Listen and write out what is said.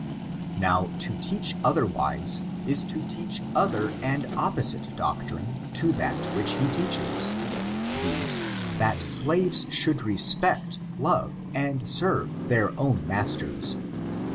Now, to teach otherwise, is to teach other and opposite doctrine to that which he teaches, viz : that slaves should respect, love, and serve their own masters.